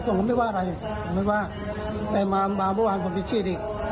ผมไม่ว่าอะไรไม่ว่าแต่มาบ้านพระประเวทย์ผมจะฉีดอีก